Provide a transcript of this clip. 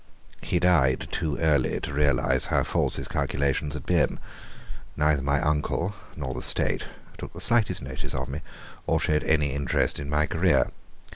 He died too early to realize how false his calculations had been. Neither my uncle nor the State took the slightest notice of me, or showed any interest in my career.